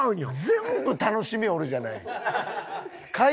全部楽しみおるじゃない。